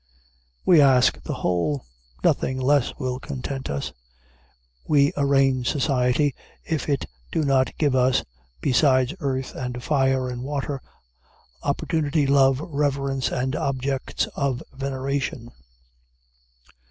We ask the whole. Nothing less will content us. We arraign society if it do not give us besides earth, and fire, and water, opportunity, love, reverence, and objects of veneration.